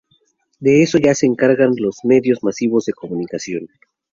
de eso ya se encargan los medios masivos de comunicación